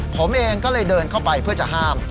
ผมเองก็เลยเดินเข้าไปเพื่อจะห้าม